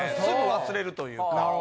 すぐ忘れるというか。